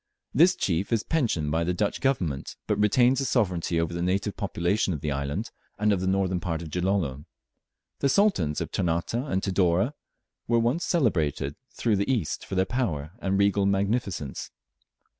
This chief is pensioned by the Dutch Government, but retains the sovereignty over the native population of the island, and of the northern part of Gilolo. The sultans of Ternate and Tidore were once celebrated through the East for their power and regal magnificence.